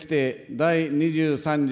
第２３条